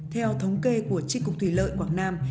theo thống kê của tri cục thủy lợi quảng nam